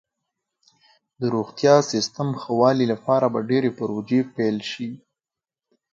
د روغتیا سیستم ښه والي لپاره به ډیرې پروژې پیل شي.